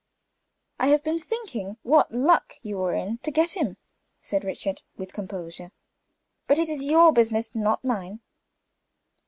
"I have been thinking what luck you were in to get him," said Richard, with composure. "But it is your business not mine."